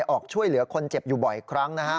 ออกช่วยเหลือคนเจ็บอยู่บ่อยครั้งนะฮะ